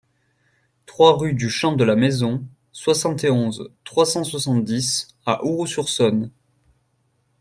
trois rue du Champ de la Maison, soixante et onze, trois cent soixante-dix à Ouroux-sur-Saône